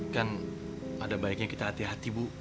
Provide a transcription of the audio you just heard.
kan ada baiknya kita hati hati bu